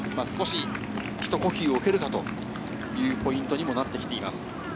ひと呼吸おけるかというポイントにもなってきています。